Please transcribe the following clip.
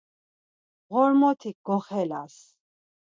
Ğormotik goxelas.